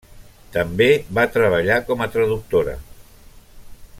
També va treballar com a traductora.